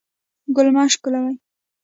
ګل مه شکولوئ